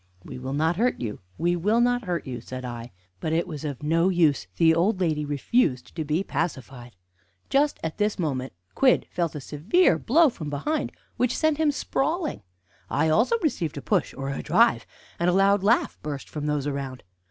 "We will not hurt you, we will not hurt you," said I. But it was of no use; the old lady refused to be pacified. Just at this moment Quidd felt a severe blow from behind, which sent him sprawling. I also received a push or a drive, and a loud laugh burst from those around.